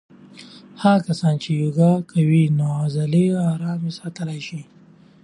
هغه کسان چې یوګا کوي عضلې آرامې ساتلی شي.